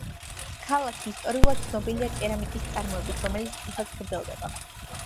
ქალაქი ისტორიულად ცნობილია კერამიკის წარმოებით, რომელიც დღესაც გრძელდება.